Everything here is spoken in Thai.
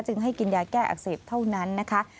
ให้กินยาแก้อักเสบเท่านั้นนะคะ